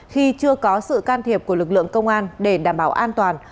khi chưa có sự can thiệp của lực lượng công an để đảm bảo an toàn